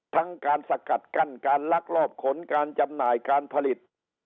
ทั้งการสกัดกั้นการลักลอบขนการจำหน่ายการผลิต